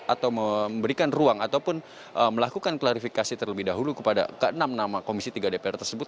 atau memberikan ruang ataupun melakukan klarifikasi terlebih dahulu kepada ke enam nama komisi tiga dpr tersebut